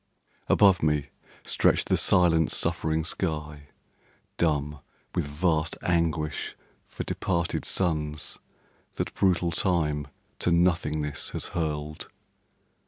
Above me stretched the silent, suffering sky, Dumb with vast anguish for departed suns That brutal Time to nothingness has hurled.